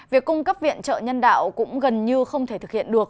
việc cung cấp viện trợ nhân đạo cũng gần như không thể thực hiện được